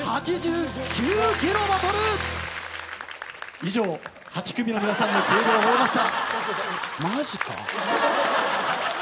以上８組の皆さんの計量を終えました。